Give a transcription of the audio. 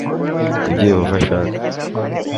ibyo yehova ashaka